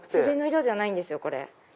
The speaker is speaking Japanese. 自然の色じゃないんですよこれ。